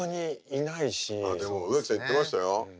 でも植木さん言ってましたよ。